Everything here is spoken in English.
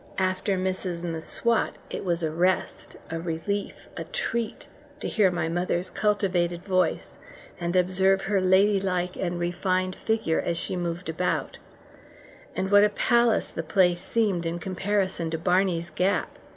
After Mrs M'Swat it was a rest, a relief, a treat, to hear my mother's cultivated voice, and observe her lady like and refined figure as she moved about; and, what a palace the place seemed in comparison to Barney's Gap!